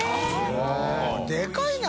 舛でかいな。